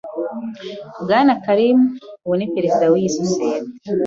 Bwana Karimu ubu ni perezida wiyi sosiyete.